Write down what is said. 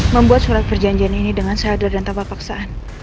membuat surat perjanjian ini dengan sadar dan tanpa paksaan